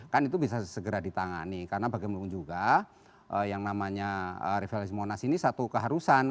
kan itu bisa segera ditangani karena bagaimanapun juga yang namanya revisi monas ini satu keharusan